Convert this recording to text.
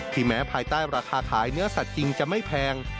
แม้ภายใต้ราคาขายเนื้อสัตว์จริงจะไม่แพง